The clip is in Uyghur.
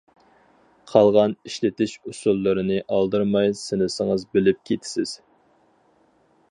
قالغان ئىشلىتىش ئۇسۇللىرىنى ئالدىرىماي سىنىسىڭىز بىلىپ كېتىسىز.